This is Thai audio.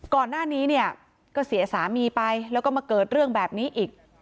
ก่อนหน้านี้เนี่ยก็เสียสามีไปแล้วก็มาเกิดเรื่องแบบนี้อีก